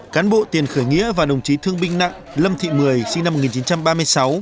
cán bộ tiền khởi nghĩa và đồng chí thương binh nặng lâm thị mười sinh năm một nghìn chín trăm ba mươi sáu